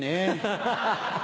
ハハハ！